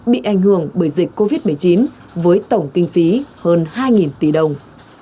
bị ảnh hưởng bởi dịch covid một mươi chín với tổng kinh phí hơn hai tỷ đồng